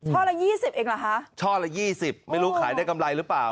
ช่อละ๒๐เองหรือคะช่อละ๒๐ไม่รู้ขายได้กำไรหรือเปล่า